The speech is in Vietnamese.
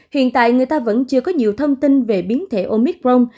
hiện tại người ta vẫn chưa có nhiều thông tin về biến thể omicron